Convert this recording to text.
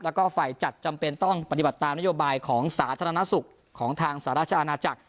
แล้วก็ฝ่ายจัดจำเป็นต้องปฏิบัติตามนโยบายของสาธารณสุขของทางสหราชอาณาจักร